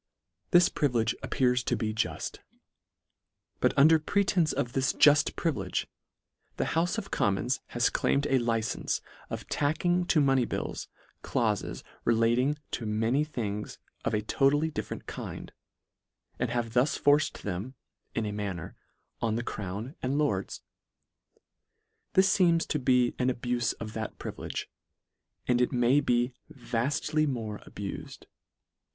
This privi lege appears to be juft ; but under pretence of this juft privilege, the houfe of Commons has claimed a licence of tacking to money bills, claufes relating to many things of a total ly different kind, and have thus forced them, in a manner, on the crown and lords. This feems to be an abufe of that privilege, and it may be vaftly more abufed.